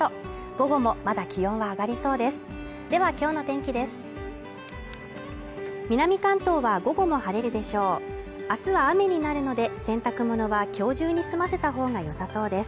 午後もまだ気温が上がりそうです。